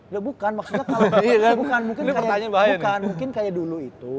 ya bukan maksudnya kalau bukan mungkin kayak dulu itu